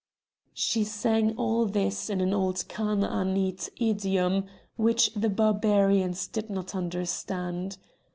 She sang all this in an old Chanaanite idiom, which the Barbarians did not understand.